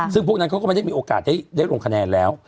ซึ่งพวกนั้นเขาก็ไม่ได้มีโอกาสได้ลงคะแนนแล้ว